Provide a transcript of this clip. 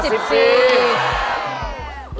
๕๔บาท